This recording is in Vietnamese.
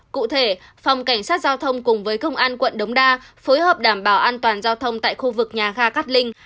cụ thể phòng cảnh sát giao thông cùng với công an quận đống đa phối hợp đảm bảo an toàn giao thông tại khu vực nhà ga cát linh